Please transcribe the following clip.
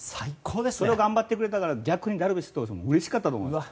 それを頑張ってくれたから逆にダルビッシュ投手もうれしかったと思います。